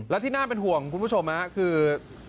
และที่น่าเป็นห่วงคุณผู้ชมคือ